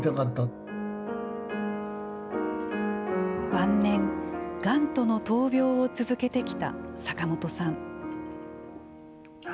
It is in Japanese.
晩年、がんとの闘病を続けてきた坂本さん。